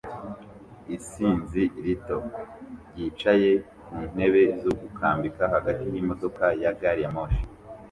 Isinzi rito ryicaye ku ntebe zo gukambika hagati yimodoka ya gari ya moshi